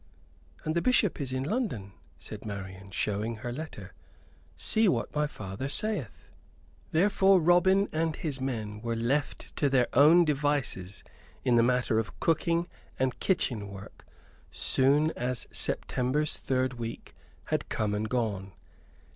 "And the Bishop is in London," said Marian, showing her letter. "See what my father saith." Therefore Robin and his men were left to their own devices in the matter of cooking and kitchen work soon as September's third week had come and gone.